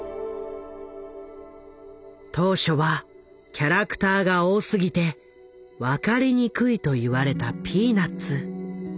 当初はキャラクターが多すぎて分かりにくいと言われた「ピーナッツ」。